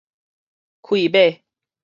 氣尾